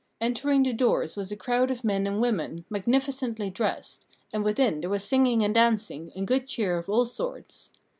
Entering the doors was a crowd of men and women, magnificently dressed; and within there was singing and dancing, and good cheer of all sorts.